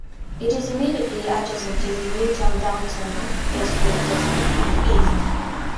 It is immediately adjacent to the Newton Downtown Historic District to the east.